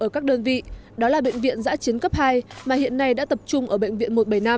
ở các đơn vị đó là bệnh viện giã chiến cấp hai mà hiện nay đã tập trung ở bệnh viện một trăm bảy mươi năm